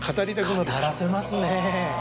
語らせますね。